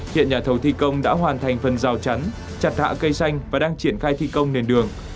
hiện nhà thầu thi công đã hoàn thành phần rào chắn chặt hạ cây xanh và đang triển khai thi công nền đường